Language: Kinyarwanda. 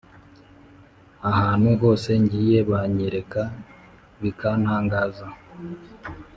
ahantu hose ngiye bayanyereka bikantangaza